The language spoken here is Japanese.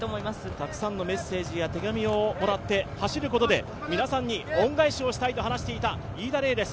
たくさんのメッセージや手紙をもらって、走ることで皆さんに恩返しをしたいと話していた飯田怜です。